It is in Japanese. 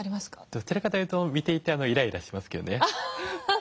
どちらかというと見ていてイライラしますけどね。